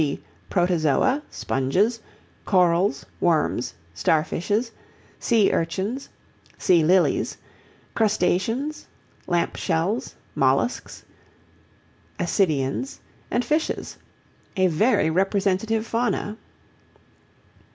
g. Protozoa, sponges, corals, worms, starfishes, sea urchins, sea lilies, crustaceans, lamp shells, molluscs, ascidians, and fishes a very representative fauna.